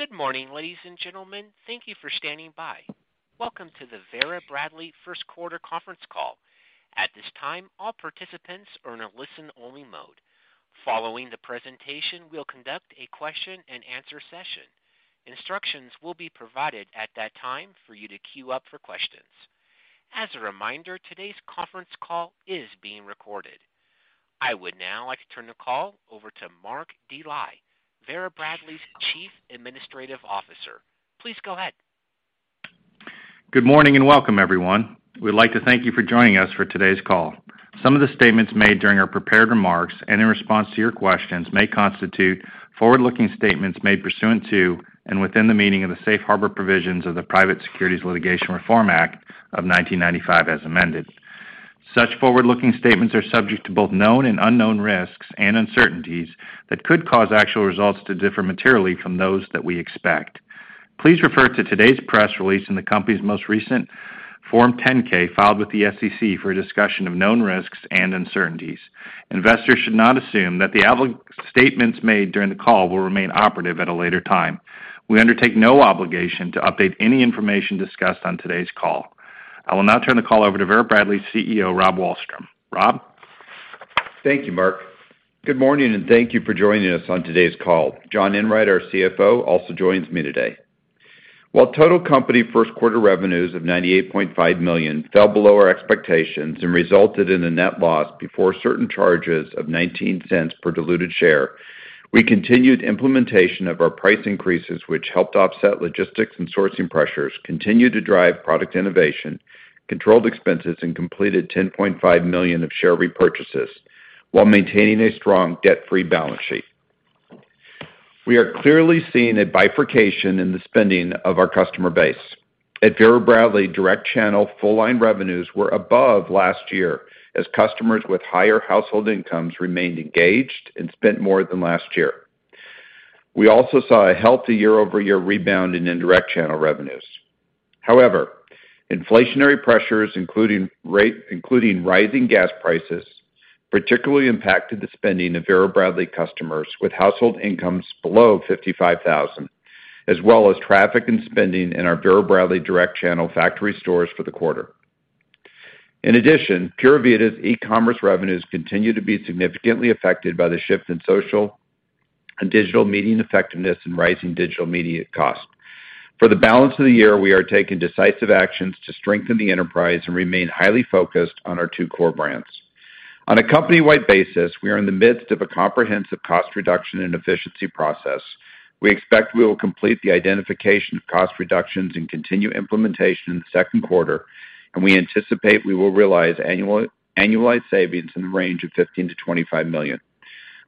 Good morning, ladies and gentlemen. Thank you for standing by. Welcome to the Vera Bradley first quarter conference call. At this time, all participants are in a listen-only mode. Following the presentation, we'll conduct a question-and-answer session. Instructions will be provided at that time for you to queue up for questions. As a reminder, today's conference call is being recorded. I would now like to turn the call over to Mark Dely, Vera Bradley's Chief Administrative Officer. Please go ahead. Good morning, and welcome, everyone. We'd like to thank you for joining us for today's call. Some of the statements made during our prepared remarks and in response to your questions may constitute forward-looking statements made pursuant to and within the meaning of the Safe Harbor Provisions of the Private Securities Litigation Reform Act of 1995, as amended. Such forward-looking statements are subject to both known and unknown risks and uncertainties that could cause actual results to differ materially from those that we expect. Please refer to today's press release in the company's most recent Form 10-K filed with the SEC for a discussion of known risks and uncertainties. Investors should not assume that statements made during the call will remain operative at a later time. We undertake no obligation to update any information discussed on today's call. I will now turn the call over to Vera Bradley CEO, Rob Wallstrom. Rob. Thank you, Mark. Good morning, and thank you for joining us on today's call. John Enwright, our CFO, also joins me today. While total company first quarter revenues of $98.5 million fell below our expectations and resulted in a net loss before certain charges of $0.19 per diluted share, we continued implementation of our price increases, which helped offset logistics and sourcing pressures, continued to drive product innovation, controlled expenses, and completed $10.5 million of share repurchases while maintaining a strong debt-free balance sheet. We are clearly seeing a bifurcation in the spending of our customer base. At Vera Bradley, direct channel full line revenues were above last year as customers with higher household incomes remained engaged and spent more than last year. We also saw a healthy year-over-year rebound in indirect channel revenues. However, inflationary pressures, including rising gas prices, particularly impacted the spending of Vera Bradley customers with household incomes below $55,000, as well as traffic and spending in our Vera Bradley direct channel factory stores for the quarter. In addition, Pura Vida's e-commerce revenues continue to be significantly affected by the shift in social and digital media effectiveness and rising digital media costs. For the balance of the year, we are taking decisive actions to strengthen the enterprise and remain highly focused on our two core brands. On a company-wide basis, we are in the midst of a comprehensive cost reduction and efficiency process. We expect we will complete the identification of cost reductions and continue implementation in the second quarter, and we anticipate we will realize annualized savings in the range of $15 million-$25 million.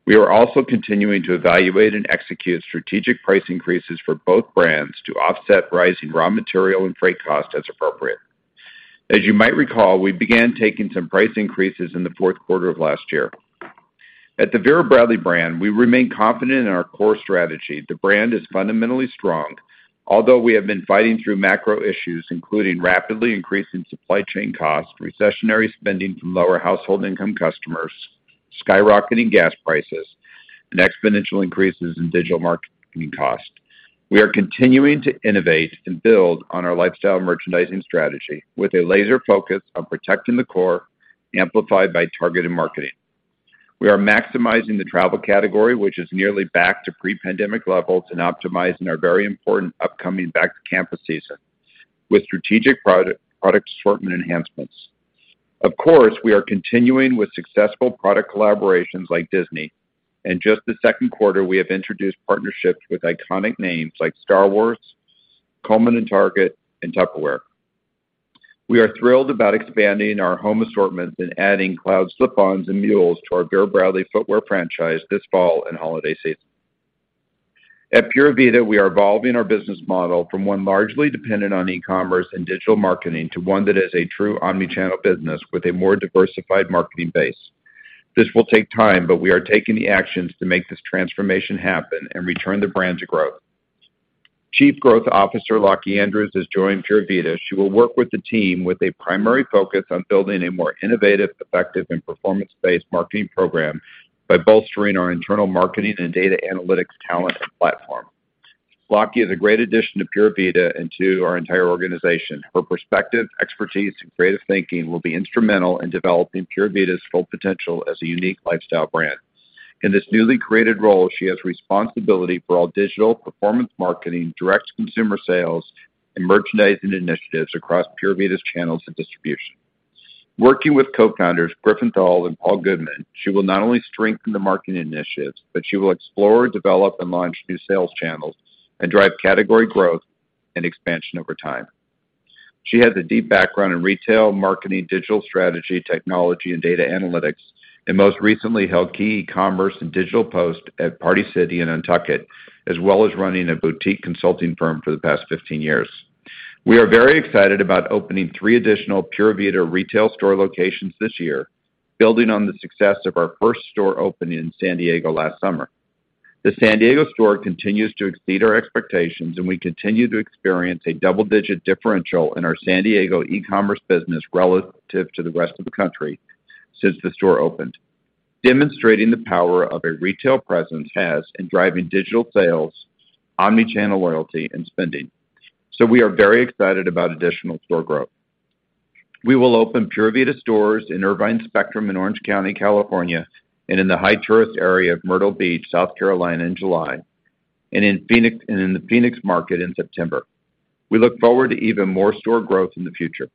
We are also continuing to evaluate and execute strategic price increases for both brands to offset rising raw material and freight costs as appropriate. As you might recall, we began taking some price increases in the fourth quarter of last year. At the Vera Bradley brand, we remain confident in our core strategy. The brand is fundamentally strong. Although we have been fighting through macro issues, including rapidly increasing supply chain costs, recessionary spending from lower household income customers, skyrocketing gas prices, and exponential increases in digital marketing costs, we are continuing to innovate and build on our lifestyle merchandising strategy with a laser focus on protecting the core amplified by targeted marketing. We are maximizing the travel category, which is nearly back to pre-pandemic levels, and optimizing our very important upcoming back-to-campus season with strategic product assortment enhancements. Of course, we are continuing with successful product collaborations like Disney. In just the second quarter, we have introduced partnerships with iconic names like Star Wars, Coleman and Target, and Tupperware. We are thrilled about expanding our home assortments and adding Cloud slip-ons and mules to our Vera Bradley footwear franchise this fall and holiday season. At Pura Vida, we are evolving our business model from one largely dependent on e-commerce and digital marketing to one that is a true omnichannel business with a more diversified marketing base. This will take time, but we are taking the actions to make this transformation happen and return the brand to growth. Chief Growth Officer Lockie Andrews has joined Pura Vida. She will work with the team with a primary focus on building a more innovative, effective, and performance-based marketing program by bolstering our internal marketing and data analytics talent and platform. Lockie is a great addition to Pura Vida and to our entire organization. Her perspective, expertise, and creative thinking will be instrumental in developing Pura Vida's full potential as a unique lifestyle brand. In this newly created role, she has responsibility for all digital performance marketing, direct consumer sales, and merchandising initiatives across Pura Vida's channels of distribution. Working with co-founders Griffin Thall and Paul Goodman, she will not only strengthen the marketing initiatives, but she will explore, develop, and launch new sales channels and drive category growth and expansion over time. She has a deep background in retail, marketing, digital strategy, technology, and data analytics, and most recently held key e-commerce and digital posts at Party City and UNTUCKit, as well as running a boutique consulting firm for the past 15 years. We are very excited about opening three additional Pura Vida retail store locations this year, building on the success of our first store opening in San Diego last summer. The San Diego store continues to exceed our expectations, and we continue to experience a double-digit differential in our San Diego e-commerce business relative to the rest of the country since the store opened. Demonstrating the power of a retail presence has in driving digital sales, omni-channel loyalty, and spending. We are very excited about additional store growth. We will open Pura Vida stores in Irvine Spectrum in Orange County, California, and in the high tourist area of Myrtle Beach, South Carolina, in July, and in the Phoenix market in September. We look forward to even more store growth in the future.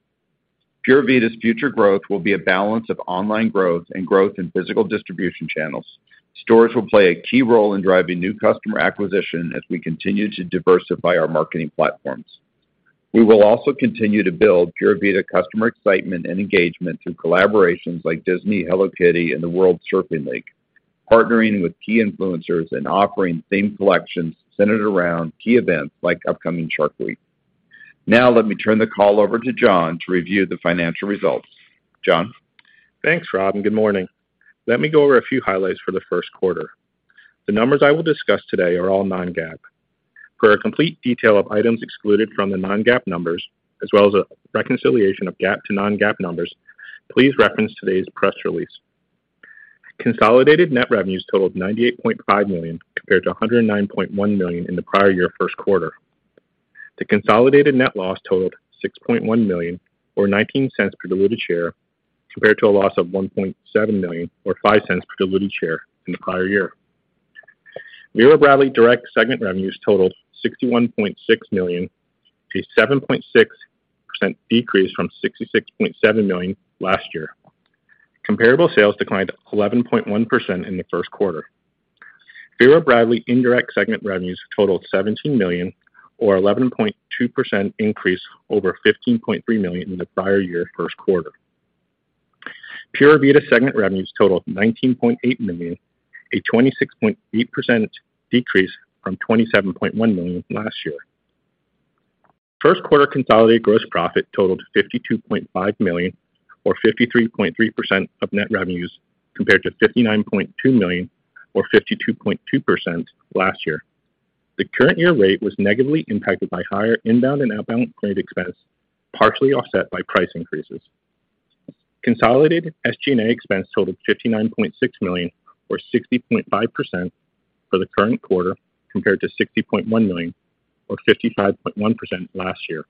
Pura Vida's future growth will be a balance of online growth and growth in physical distribution channels. Stores will play a key role in driving new customer acquisition as we continue to diversify our marketing platforms. We will also continue to build Pura Vida customer excitement and engagement through collaborations like Disney, Hello Kitty, and the World Surf League, partnering with key influencers and offering themed collections centered around key events like upcoming Shark Week. Now let me turn the call over to John to review the financial results. John? Thanks, Rob, and good morning. Let me go over a few highlights for the first quarter. The numbers I will discuss today are all non-GAAP. For a complete detail of items excluded from the non-GAAP numbers, as well as a reconciliation of GAAP to non-GAAP numbers, please reference today's press release. Consolidated net revenues totaled $98.5 million, compared to $109.1 million in the prior year first quarter. The consolidated net loss totaled $6.1 million, or $0.19 per diluted share, compared to a loss of $1.7 million or $0.05 per diluted share in the prior year. Vera Bradley direct segment revenues totaled $61.6 million, a 7.6% decrease from $66.7 million last year. Comparable sales declined 11.1% in the first quarter. Vera Bradley indirect segment revenues totaled $17 million or 11.2% increase over $15.3 million in the prior-year first quarter. Pura Vida segment revenues totaled $19.8 million, a 26.8% decrease from $27.1 million last year. First quarter consolidated gross profit totaled $52.5 million or 53.3% of net revenues, compared to $59.2 million or 52.2% last year. The current year rate was negatively impacted by higher inbound and outbound freight expense, partially offset by price increases. Consolidated SG&A expense totaled $59.6 million or 60.5% for the current quarter, compared to $60.1 million or 55.1% last year.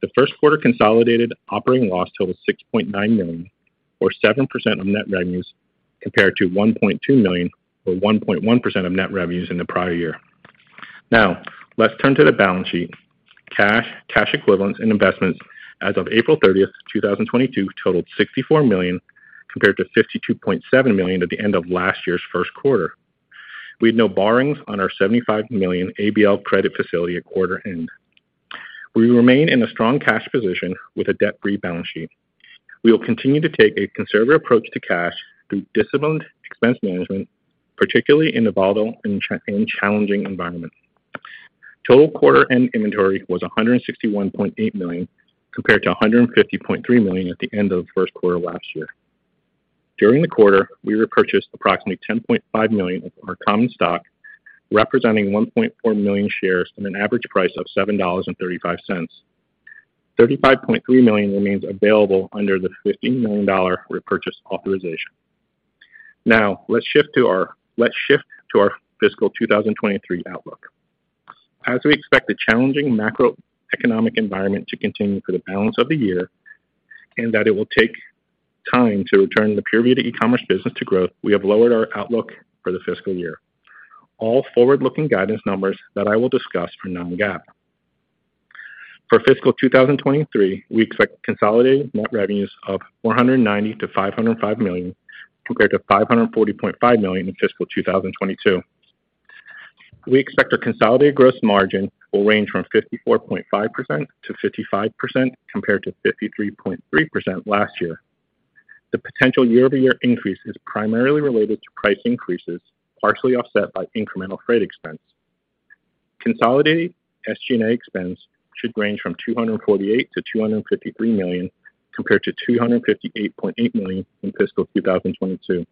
The first quarter consolidated operating loss totaled $6.9 million or 7% of net revenues, compared to $1.2 million or 1.1% of net revenues in the prior year. Now, let's turn to the balance sheet. Cash, cash equivalents, and investments as of April 30th, 2022 totaled $64 million, compared to $52.7 million at the end of last year's first quarter. We had no borrowings on our $75 million ABL credit facility at quarter end. We remain in a strong cash position with a debt-free balance sheet. We will continue to take a conservative approach to cash through disciplined expense management, particularly in a volatile and challenging environment. Total quarter-end inventory was $161.8 million, compared to $150.3 million at the end of the first quarter last year. During the quarter, we repurchased approximately $10.5 million of our common stock, representing 1.4 million shares at an average price of $7.35. $35.3 million remains available under the $15 million repurchase authorization. Now, let's shift to our fiscal 2023 outlook. We expect the challenging macroeconomic environment to continue for the balance of the year, and that it will take time to return the Pura Vida e-commerce business to growth. We have lowered our outlook for the fiscal year. All forward-looking guidance numbers that I will discuss are non-GAAP. For fiscal 2023, we expect consolidated net revenues of $490-$505 million, compared to $540.5 million in fiscal 2022. We expect our consolidated gross margin will range from 54.5% to 55%, compared to 53.3% last year. The potential year-over-year increase is primarily related to price increases, partially offset by incremental freight expense. Consolidated SG&A expense should range from $248 million-$253 million, compared to $258.8 million in fiscal 2022.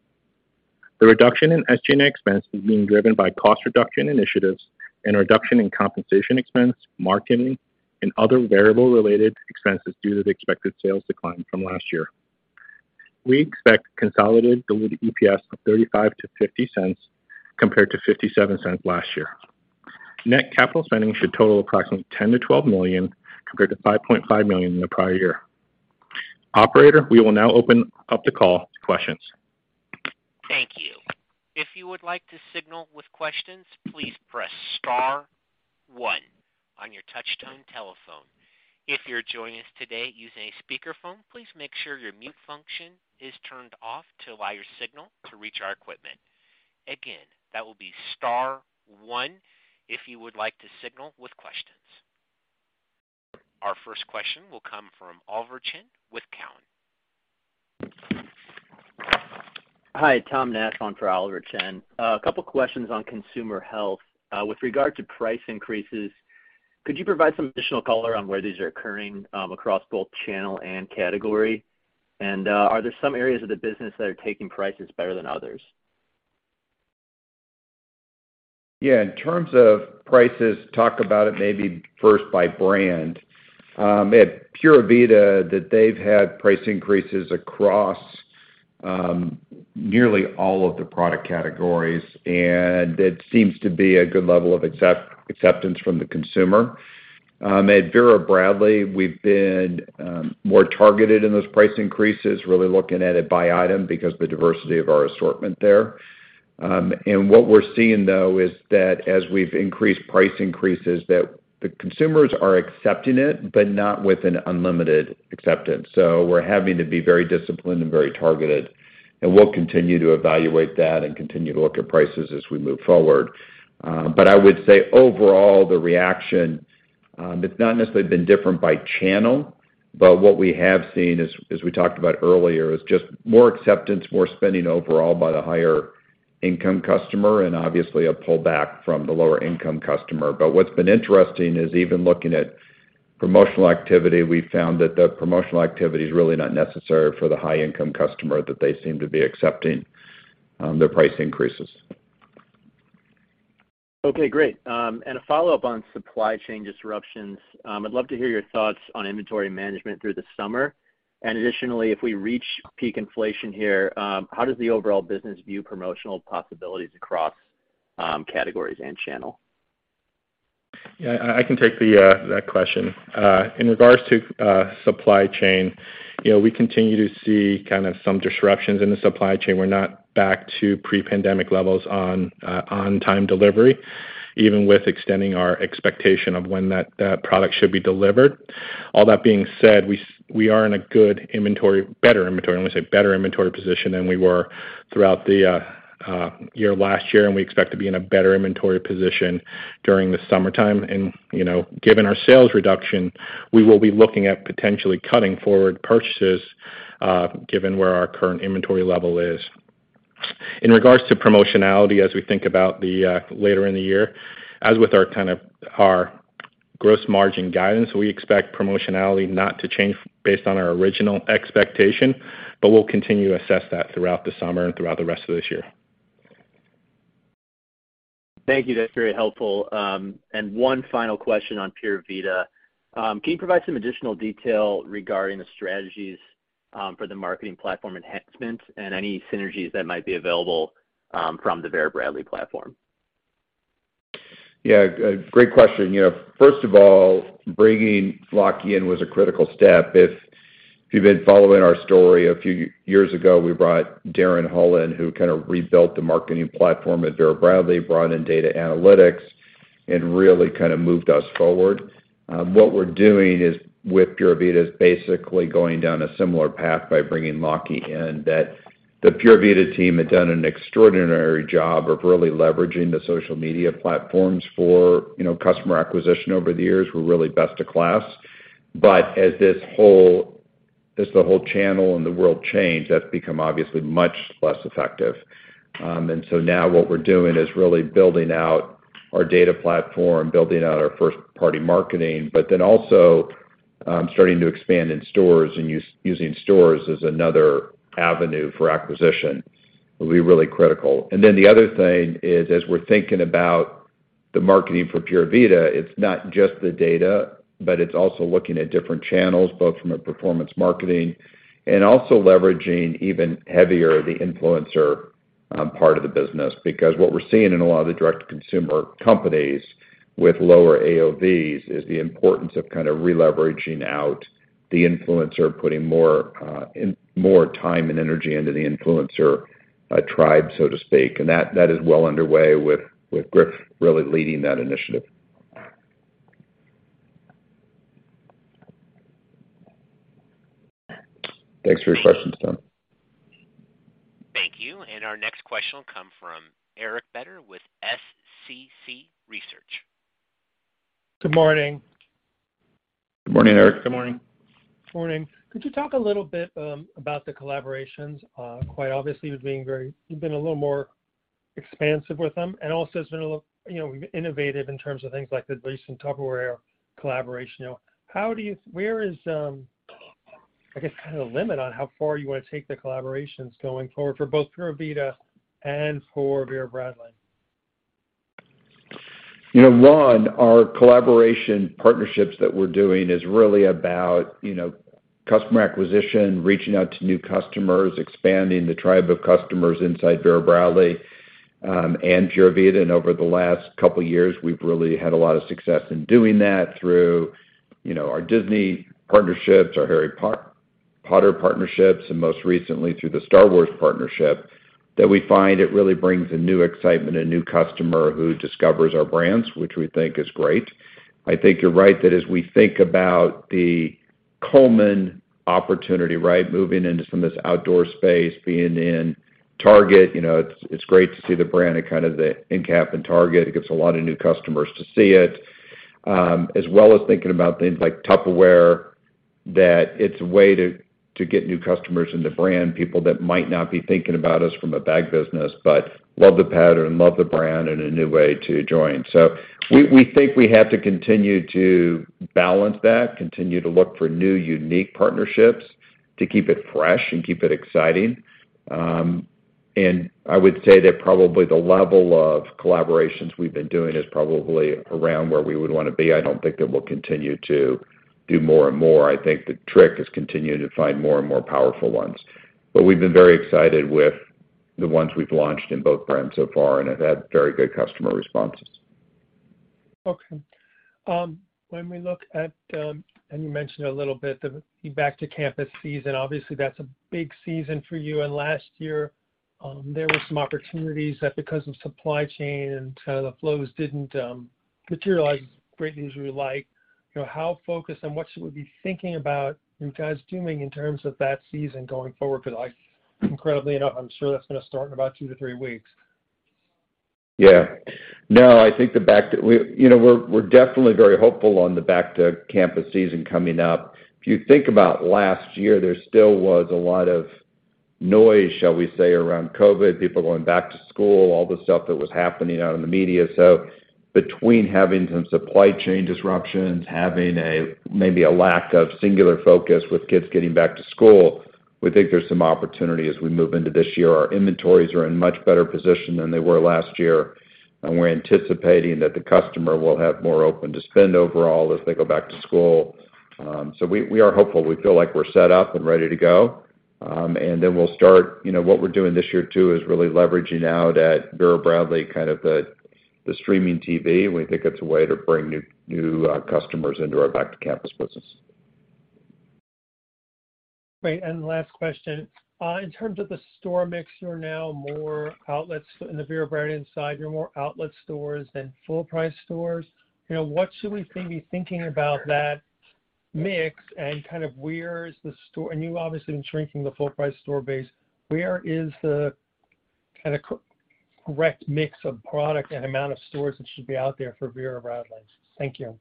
The reduction in SG&A expense is being driven by cost reduction initiatives and a reduction in compensation expense, marketing, and other variable-related expenses due to the expected sales decline from last year. We expect consolidated diluted EPS of $0.35-$0.50, compared to $0.57 last year. Net capital spending should total approximately $10 million-$12 million, compared to $5.5 million in the prior year. Operator, we will now open up the call to questions. Thank you. If you would like to signal with questions, please press star one on your touch-tone telephone. If you're joining us today using a speakerphone, please make sure your mute function is turned off to allow your signal to reach our equipment. Again, that will be star one if you would like to signal with questions. Our first question will come from Oliver Chen with TD Cowen. Hi, Tom Nass on for Oliver Chen. A couple questions on consumer health. With regard to price increases, could you provide some additional color on where these are occurring, across both channel and category? Are there some areas of the business that are taking prices better than others? Yeah. In terms of prices, talk about it maybe first by brand. At Pura Vida that they've had price increases across, nearly all of the product categories, and it seems to be a good level of acceptance from the consumer. At Vera Bradley, we've been more targeted in those price increases, really looking at it by item because the diversity of our assortment there. What we're seeing though is that as we've increased price increases, that the consumers are accepting it, but not with an unlimited acceptance. We're having to be very disciplined and very targeted, and we'll continue to evaluate that and continue to look at prices as we move forward. I would say overall, the reaction. It's not necessarily been different by channel, but what we have seen, as we talked about earlier, is just more acceptance, more spending overall by the higher income customer and obviously a pullback from the lower income customer. What's been interesting is even looking at promotional activity, we found that the promotional activity is really not necessary for the high income customer, that they seem to be accepting their price increases. Okay, great. A follow-up on supply chain disruptions. I'd love to hear your thoughts on inventory management through the summer. Additionally, if we reach peak inflation here, how does the overall business view promotional possibilities across categories and channel? Yeah, I can take that question. In regards to supply chain, we continue to see kind of some disruptions in the supply chain. We're not back to pre-pandemic levels on on-time delivery, even with extending our expectation of when that product should be delivered. All that being said, we are in a better inventory, I'm gonna say better inventory position than we were throughout the year last year, and we expect to be in a better inventory position during the summertime. Given our sales reduction, we will be looking at potentially cutting forward purchases, given where our current inventory level is. In regards to promotionality as we think about later in the year, as with our gross margin guidance, we expect promotionality not to change based on our original expectation, but we'll continue to assess that throughout the summer and throughout the rest of this year. Thank you. That's very helpful. One final question on Pura Vida. Can you provide some additional detail regarding the strategies for the marketing platform enhancements and any synergies that might be available from the Vera Bradley platform? Yeah, a great question. First of all, bringing Lockie in was a critical step. If you've been following our story, a few years ago, we brought Daren Hull, who kind of rebuilt the marketing platform at Vera Bradley, brought in data analytics and really kind of moved us forward. What we're doing with Pura Vida is basically going down a similar path by bringing Lockie in, that the Pura Vida team had done an extraordinary job of really leveraging the social media platforms for customer acquisition over the years. We're really best of class. But as the whole channel and the world change, that's become obviously much less effective. Now what we're doing is really building out our data platform, building out our first party marketing, but then also, starting to expand in stores and using stores as another avenue for acquisition will be really critical. The other thing is, as we're thinking about the marketing for Pura Vida, it's not just the data, but it's also looking at different channels, both from a performance marketing and also leveraging even heavier the influencer part of the business. Because what we're seeing in a lot of the direct consumer companies with lower AOVs is the importance of kind of releveraging out the influencer, putting more time and energy into the influencer tribe, so to speak. That is well underway with Griff really leading that initiative. Thanks for your questions, Tom. Thank you. Our next question will come from Eric Beder with SCC Research. Good morning. Good morning, Eric. Good morning. Morning. Could you talk a little bit about the collaborations? Quite obviously, you've been a little more expansive with them, and also it's been a little innovative in terms of things like the recent Tupperware collaboration. Where is, I guess, kind of the limit on how far you want to take the collaborations going forward for both Pura Vida and for Vera Bradley? One, our collaboration partnerships that we're doing is really about customer acquisition, reaching out to new customers, expanding the tribe of customers inside Vera Bradley, and Pura Vida. Over the last couple of years, we've really had a lot of success in doing that through our Disney partnerships, our Harry Potter partnerships, and most recently through the Star Wars partnership, that we find it really brings a new excitement and new customer who discovers our brands, which we think is great. I think you're right that as we think about the Coleman opportunity, right. Moving into some of this outdoor space, being in Target, it's great to see the brand at kind of the endcap in Target. It gets a lot of new customers to see it. As well as thinking about things like Tupperware, that it's a way to get new customers in the brand, people that might not be thinking about us from a bag business, but love the pattern, love the brand in a new way to join. We think we have to continue to balance that, continue to look for new, unique partnerships to keep it fresh and keep it exciting. I would say that probably the level of collaborations we've been doing is probably around where we would wanna be. I don't think that we'll continue to do more and more. I think the trick is continuing to find more and more powerful ones. We've been very excited with the ones we've launched in both brands so far, and have had very good customer responses. Okay. When we look at and you mentioned a little bit, the back to campus season, obviously that's a big season for you. Last year, there were some opportunities that because of supply chain and kind of the flows didn't materialize quite as we like. How focused and what should we be thinking about you guys doing in terms of that season going forward? Because like, incredibly enough, I'm sure that's gonna start in about two-three weeks. Yeah. No, I think. We're definitely very hopeful on the back to campus season coming up. If you think about last year, there still was a lot of noise, shall we say, around COVID, people going back to school, all the stuff that was happening out in the media. Between having some supply chain disruptions, having maybe a lack of singular focus with kids getting back to school, we think there's some opportunity as we move into this year. Our inventories are in much better position than they were last year, and we're anticipating that the customer will have more open to spend overall as they go back to school. We are hopeful. We feel like we're set up and ready to go. We'll start. What we're doing this year too, is really leveraging out at Vera Bradley, kind of the streaming TV. We think it's a way to bring new customers into our back to campus business. Great. Last question. In terms of the store mix, you now have more outlets in the Vera Bradley inside. You have more outlet stores than full-price stores. What should we be thinking about that mix and kind of where is the store? You obviously been shrinking the full-price store base. Where is the kinda correct mix of product and amount of stores that should be out there for Vera Bradley? Thank you.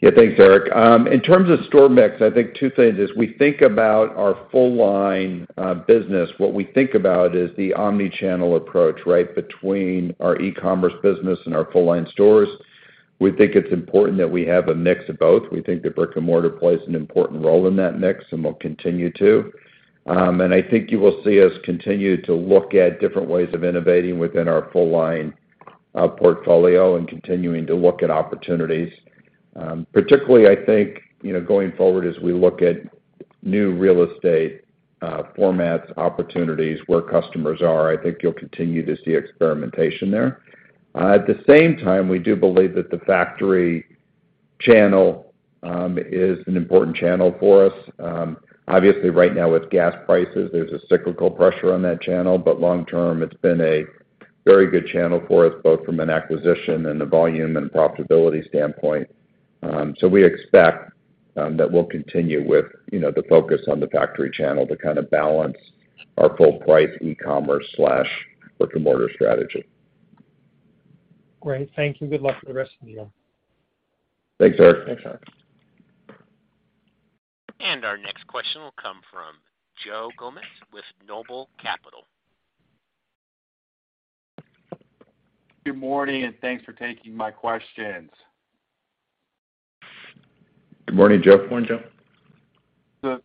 Yeah. Thanks, Eric. In terms of store mix, I think two things is we think about our full line business. What we think about is the omni-channel approach, right? Between our e-commerce business and our full line stores. We think it's important that we have a mix of both. We think that brick-and-mortar plays an important role in that mix, and will continue to. I think you will see us continue to look at different ways of innovating within our full line portfolio and continuing to look at opportunities. Particularly I think going forward as we look at new real estate formats, opportunities where customers are, I think you'll continue to see experimentation there. At the same time, we do believe that the factory channel is an important channel for us. Obviously right now with gas prices, there's a cyclical pressure on that channel, but long-term it's been a very good channel for us, both from an acquisition and a volume and profitability standpoint. We expect that we'll continue with the focus on the factory channel to kind of balance our full price e-commerce slash brick-and-mortar strategy. Great. Thank you. Good luck for the rest of the year. Thanks, Eric. Thanks, Eric. Our next question will come from Joe Gomes with Noble Capital. Good morning, and thanks for taking my questions. Good morning, Joe. Go on, Joe.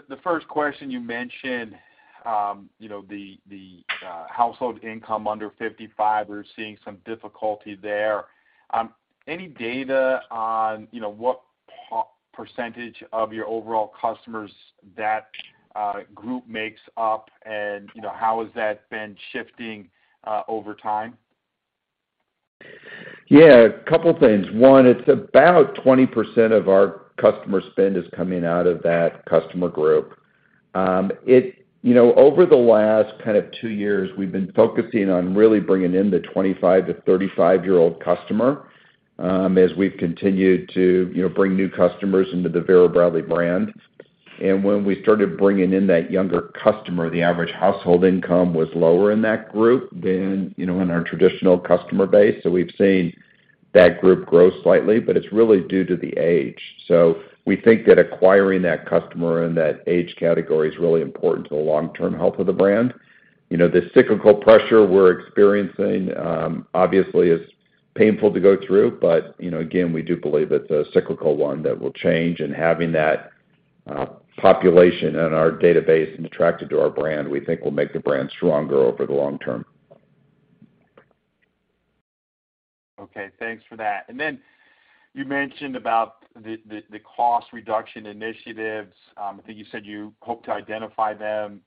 The first question you mentioned, the household income under 55, we're seeing some difficulty there. Any data on what percentage of your overall customers that group makes up, and how has that been shifting over time? Yeah, a couple things. One, it's about 20% of our customer spend is coming out of that customer group. Over the last kind of two years, we've been focusing on really bringing in the 25-35 year-old customer, as we've continued to bring new customers into the Vera Bradley brand. When we started bringing in that younger customer, the average household income was lower in that group than in our traditional customer base. We've seen that group grow slightly, but it's really due to the age. We think that acquiring that customer in that age category is really important to the long-term health of the brand. The cyclical pressure we're experiencing, obviously is painful to go through but, again, we do believe it's a cyclical one that will change. Having that population in our database and attracted to our brand, we think will make the brand stronger over the long term. Okay. Thanks for that. Then you mentioned about the cost reduction initiatives. I think you said you hope to identify them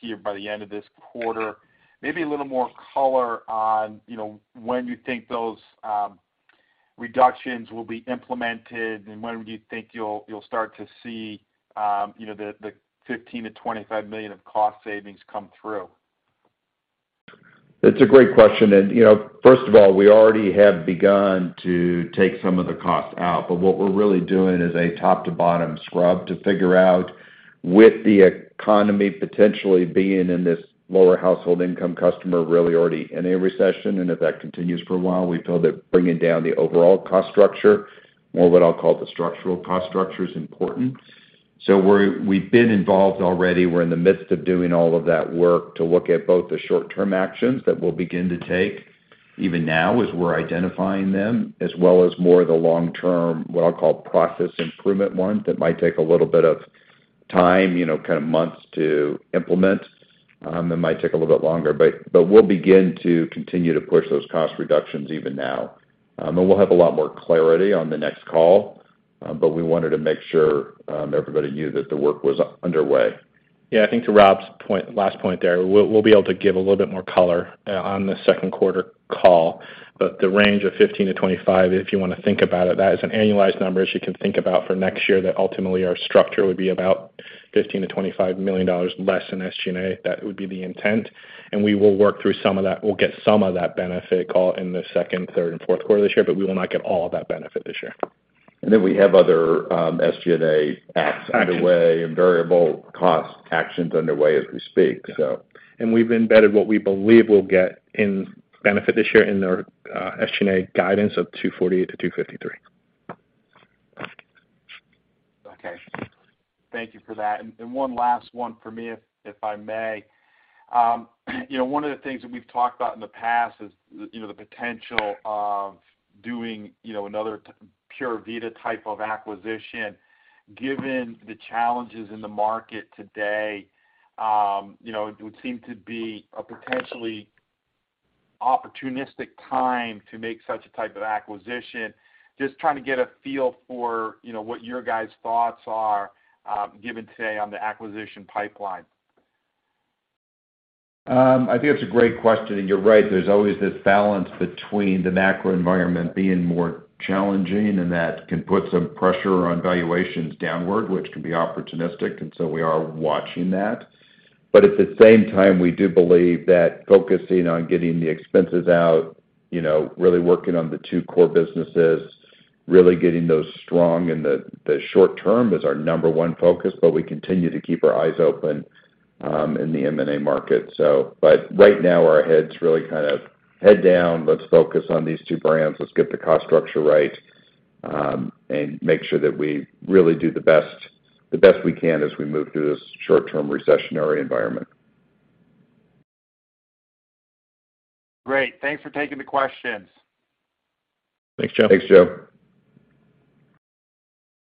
year by the end of this quarter. Maybe a little more color on, when you think those reductions will be implemented and when would you think you'll start to see, the $15 million-$25 million of cost savings come through? That's a great question. First of all, we already have begun to take some of the costs out, but what we're really doing is a top to bottom scrub to figure out with the economy potentially being in this lower household income customer, really already in a recession and if that continues for a while, we feel that bringing down the overall cost structure, more what I'll call the structural cost structure, is important. We've been involved already. We're in the midst of doing all of that work to look at both the short term actions that we'll begin to take even now as we're identifying them, as well as more of the long-term, what I'll call process improvement one, that might take a little bit of time, kind of months to implement. It might take a little bit longer, but we'll begin to continue to push those cost reductions even now. We'll have a lot more clarity on the next call, but we wanted to make sure everybody knew that the work was underway. Yeah. I think to Rob's point, last point there, we'll be able to give a little bit more color on the second quarter call. The range of 15-25, if you wanna think about it, that is an annualized number, as you can think about for next year, that ultimately our structure would be about $15-$25 million less in SG&A. That would be the intent. We will work through some of that. We'll get some of that benefit in the second, third and fourth quarter this year, but we will not get all of that benefit this year. We have other SG&A acts underway and variable cost actions underway as we speak. We've embedded what we believe we'll get in benefit this year in our SG&A guidance of 248-253. Okay. Thank you for that. One last one for me, if I may. One of the things that we've talked about in the past is the potential of doing another Pura Vida type of acquisition. Given the challenges in the market today, it would seem to be a potentially opportunistic time to make such a type of acquisition. Just trying to get a feel for what your guys' thoughts are, given today on the acquisition pipeline. I think that's a great question, and you're right. There's always this balance between the macro environment being more challenging, and that can put some pressure on valuations downward, which can be opportunistic, and so we are watching that. At the same time, we do believe that focusing on getting the expenses out, really working on the two core businesses, really getting those strong in the short term is our number one focus. We continue to keep our eyes open in the M&A market. Right now our heads really kind of heads down, let's focus on these two brands. Let's get the cost structure right, and make sure that we really do the best we can as we move through this short-term recessionary environment. Great. Thanks for taking the questions. Thanks, Joe. Thanks, Joe.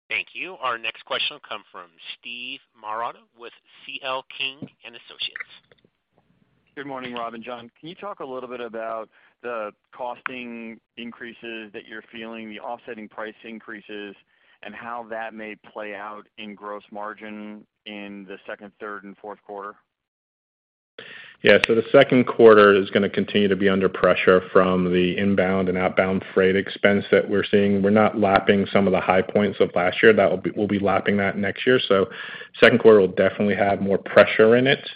Thank you. Our next question will come from Steve Marotta with C.L. King & Associates. Good morning, Rob and John. Can you talk a little bit about the cost increases that you're feeling, the offsetting price increases, and how that may play out in gross margin in the second, third and fourth quarter? Yeah. The second quarter is gonna continue to be under pressure from the inbound and outbound freight expense that we're seeing. We're not lapping some of the high points of last year. We'll be lapping that next year. Second quarter will definitely have more pressure in it,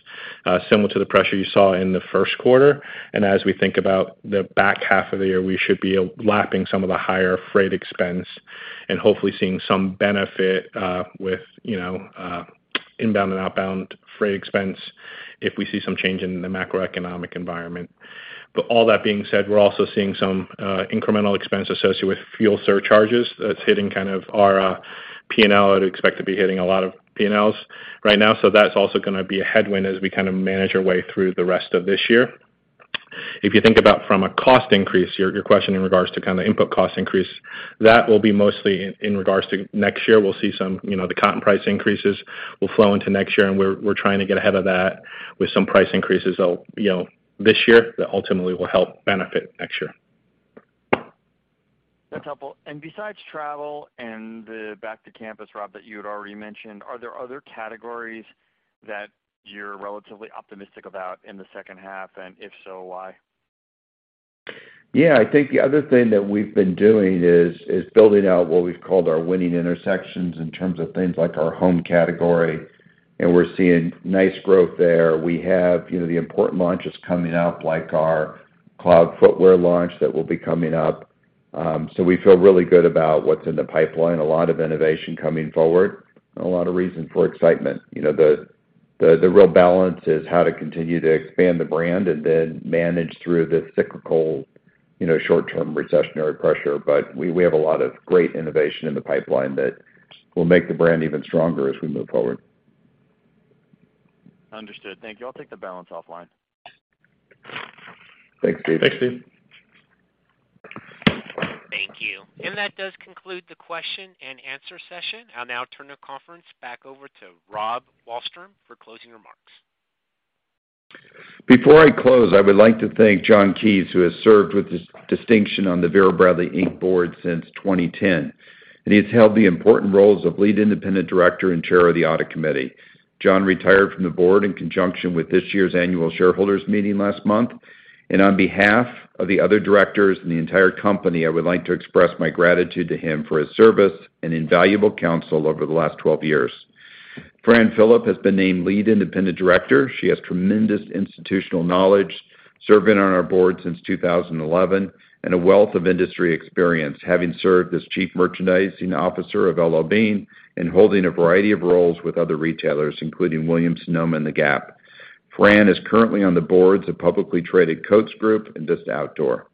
similar to the pressure you saw in the first quarter. As we think about the back half of the year, we should be lapping some of the higher freight expense and hopefully seeing some benefit, with inbound and outbound freight expense if we see some change in the macroeconomic environment. All that being said, we're also seeing some incremental expense associated with fuel surcharges that's hitting kind of our P&L. I'd expect to be hitting a lot of P&Ls right now. That's also gonna be a headwind as we kind of manage our way through the rest of this year. If you think about from a cost increase, your question in regards to kind of input cost increase, that will be mostly in regards to next year. We'll see some, the cotton price increases will flow into next year, and we're trying to get ahead of that with some price increases. This year that ultimately will help benefit next year. That's helpful. Besides travel and the back to campus, Rob, that you had already mentioned, are there other categories that you're relatively optimistic about in the second half, and if so, why? Yeah. I think the other thing that we've been doing is building out what we've called our winning intersections in terms of things like our home category, and we're seeing nice growth there. We have the important launches coming out, like our Cloud Footwear launch that will be coming up. So we feel really good about what's in the pipeline. A lot of innovation coming forward and a lot of reason for excitement. The real balance is how to continue to expand the brand and then manage through this cyclical, short-term recessionary pressure. We have a lot of great innovation in the pipeline that will make the brand even stronger as we move forward. Understood. Thank you. I'll take the balance offline. Thanks, Steve. Thanks, Steve. Thank you. That does conclude the question and answer session. I'll now turn the conference back over to Rob Wallstrom for closing remarks. Before I close, I would like to thank John Keyes, who has served with distinction on the Vera Bradley, Inc. board since 2010, and he has held the important roles of Lead Independent Director and Chair of the Audit Committee. John retired from the board in conjunction with this year's annual shareholders meeting last month, and on behalf of the other directors and the entire company, I would like to express my gratitude to him for his service and invaluable counsel over the last 12 years. Fran Philip has been named Lead Independent Director. She has tremendous institutional knowledge, serving on our board since 2011, and a wealth of industry experience, having served as Chief Merchandising Officer of L.L.Bean and holding a variety of roles with other retailers, including Williams-Sonoma and The Gap. Fran Philip is currently on the boards of publicly traded Coats Group and Vista Outdoor.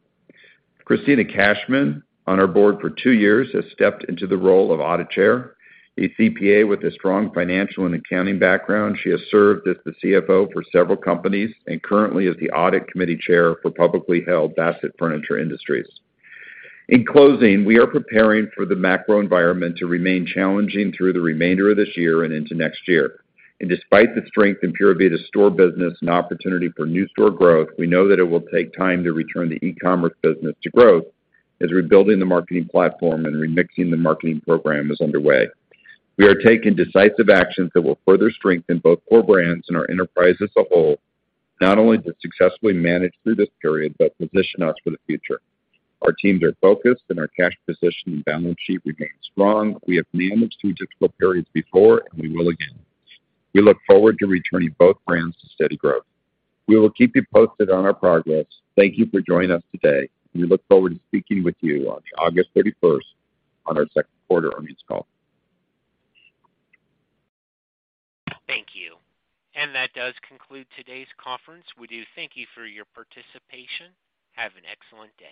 Kristina Cashman, on our board for two years, has stepped into the role of Audit Chair. A CPA with a strong financial and accounting background, she has served as the CFO for several companies and currently is the Audit Committee Chair for publicly held Bassett Furniture Industries. In closing, we are preparing for the macro environment to remain challenging through the remainder of this year and into next year. Despite the strength in Pura Vida store business and opportunity for new store growth, we know that it will take time to return the e-commerce business to growth as rebuilding the marketing platform and remixing the marketing program is underway. We are taking decisive actions that will further strengthen both core brands and our enterprise as a whole, not only to successfully manage through this period, but position us for the future. Our teams are focused and our cash position and balance sheet remains strong. We have managed through difficult periods before, and we will again. We look forward to returning both brands to steady growth. We will keep you posted on our progress. Thank you for joining us today, and we look forward to speaking with you on August 31st, on our second quarter earnings call. Thank you. That does conclude today's conference. We do thank you for your participation. Have an excellent day.